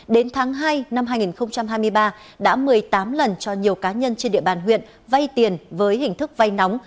đến tháng hai năm hai nghìn hai mươi ba đã một mươi tám lần cho nhiều cá nhân trên địa bàn huyện vay tiền với hình thức vay nóng